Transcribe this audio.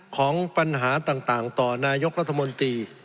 ของปัญหาต่างต่อนายกรัฐมนตรี